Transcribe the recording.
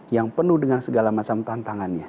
yang penuh dengan segala macam tantangannya